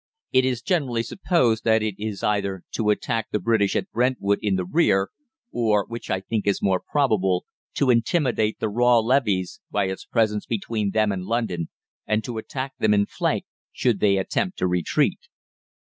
It is generally supposed that it is either to attack the British at Brentwood in the rear, or, which I think is more probable, to intimidate the raw levies by its presence between them and London, and to attack them in flank should they attempt to retreat.